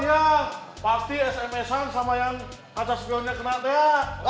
atau spionnya kena deh